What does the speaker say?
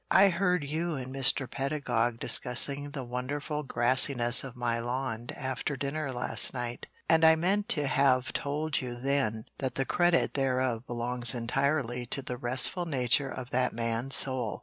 I heard you and Mr. Pedagog discussing the wonderful grassiness of my lawn after dinner last night, and I meant to have told you then that the credit thereof belongs entirely to the restful nature of that man's soul.